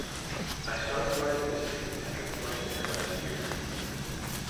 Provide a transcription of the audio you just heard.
I started writing this tune after playing there last year.